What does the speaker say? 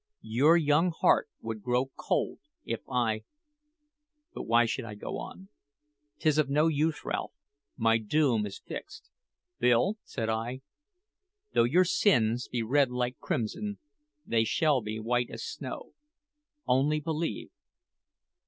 Your young heart would grow cold if I But why should I go on? 'Tis of no use, Ralph; my doom is fixed." "Bill," said I, "`Though your sins be red like crimson, they shall be white as snow.' Only believe."